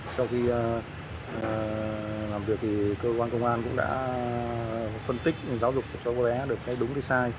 sau khi làm việc cơ quan công an cũng đã phân tích giáo dục cho cháu bé được đúng hay sai